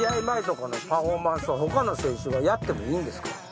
前とかのパフォーマンスを他の選手がやってもいいんですか？